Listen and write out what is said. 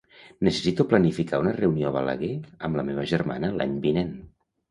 Necessito planificar una reunió a Balaguer amb la meva germana l'any vinent.